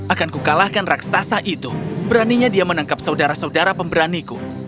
akan ku kalahkan raksasa itu beraninya dia menangkap saudara saudara pemberaniku